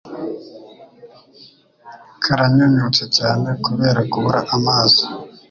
karanyunyutse cyane kubera kubura amazi